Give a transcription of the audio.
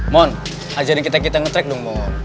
mon ajarin kita kita nge track dong mon